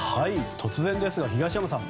突然ですが東山さん